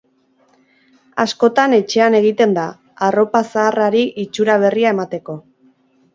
Askotan etxean egiten da, arropa zaharrari itxura berria emateko.